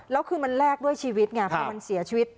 แล้วคือมันแลกด้วยชีวิตไงพอมันเสียชีวิต